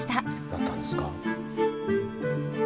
なったんですか？